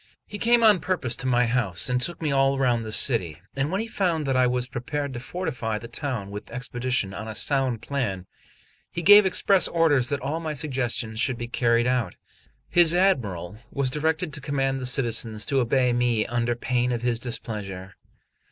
He came on purpose to my house, and took me all round the city; and when he found that I was prepared to fortify the town with expedition on a sound plan, he gave express orders that all my suggestions should be carried out. His Admiral was directed to command the citizens to obey me under pain of his displeasure.